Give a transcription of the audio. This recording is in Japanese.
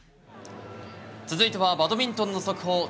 続いてはバドミントンの速報。